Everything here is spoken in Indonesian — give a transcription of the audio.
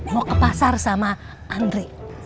mau ke pasar sama andre